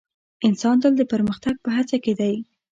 انسان تل د پرمختګ په هڅه کې دی.